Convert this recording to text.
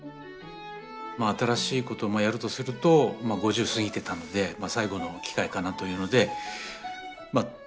新しいこともやるとするとまあ５０過ぎてたので最後の機会かなというのでまあ